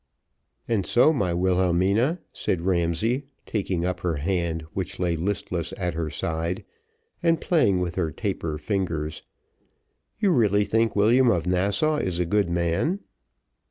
"And so, my Wilhelmina," said Ramsay, taking up her hand, which lay listless at her side, and playing with her taper fingers, "you really think William of Nassau is a good man."